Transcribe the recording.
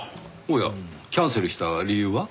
おやキャンセルした理由は？